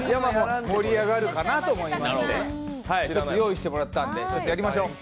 盛り上がるかなと思いまして用意してもらったんでやりましょう。